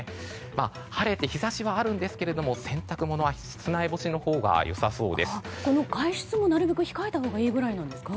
晴れて日差しはあるんですが洗濯ものは室内干しが外出もなるべく控えたほうがいいくらいなんですか。